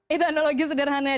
itu analogi sederhana ya